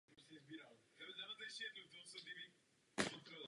Nástroj se vyrábí v různých provedeních.